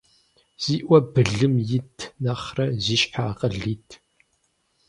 Зи Ӏуэ былым ит нэхърэ зи щхьэ акъыл ит.